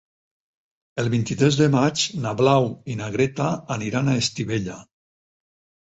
El vint-i-tres de maig na Blau i na Greta aniran a Estivella.